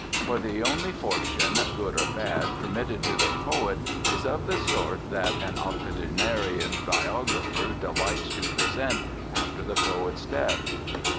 For the only fortune, good or bad, permitted to the poet is of the sort that an octogenarian biographer delights to present after the poet's death.